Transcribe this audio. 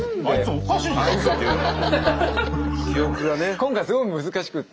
今回すごく難しくて。